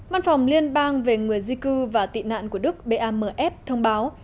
văn phòng liên bang về người di cư và tị nạn của đức bamf thông báo